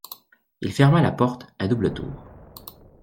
Il ferma la porte à double tour.